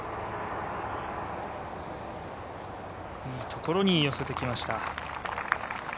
いいところに寄せてきました。